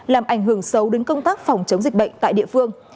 làm ảnh hưởng sâu đến công tác phòng chống dịch bệnh tại địa phương